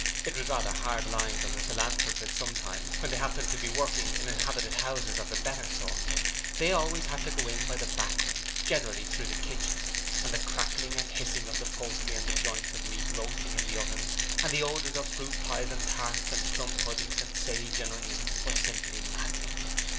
It was rather hard lines on the philanthropists sometimes when they happened to be working in inhabited houses of the better sort. They always had to go in and out by the back way, generally through the kitchen, and the crackling and hissing of the poultry and the joints of meat roasting in the ovens, and the odours of fruit pies and tarts, and plum puddings and sage and onions, were simply maddening.